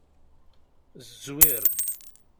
Zzwir.